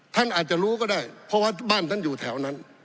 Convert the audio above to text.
ท่านอาจจะรู้ก็ได้เพราะว่าบ้านท่านอยู่แถวนั้น